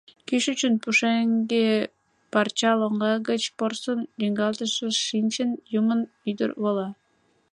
Кӱшычын, пушеҥге парча лоҥга гыч, порсын лӱҥгалтышыш шинчын, юмын ӱдыр вола.